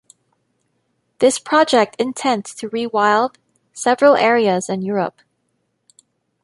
This project intents to rewild several areas in Europe.